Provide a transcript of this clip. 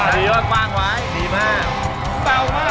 ดีมาก